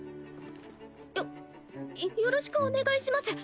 よろしくお願いします